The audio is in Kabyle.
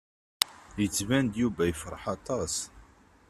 Yettban-d Yuba yefṛeḥ aṭas.